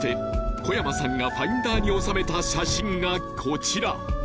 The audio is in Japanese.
小山さんがファインダーに収めた写真がコチラ！